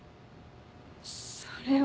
それは。